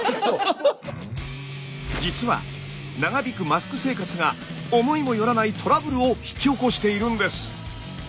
実は長引くマスク生活が思いも寄らないトラブルを引き起こしているんです。